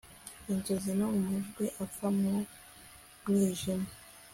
inzozi no kumajwi apfa mu mwijima